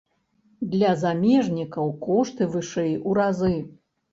Для замежнікаў кошты вышэй у разы.